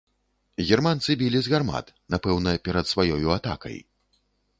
Германцы білі з гармат, напэўна, перад сваёю атакай.